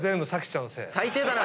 最低だな。